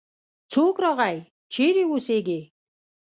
څوک راغی؟ چیرې اوسیږې؟